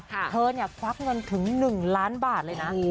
เธอเนี่ยควักเงินถึง๑ล้านบาทเลยนะ